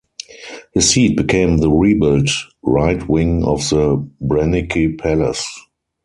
His seat became the rebuilt right wing of the Branicki Palace.